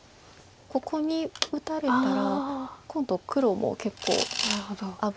ここに打たれたら今度黒も結構危ない。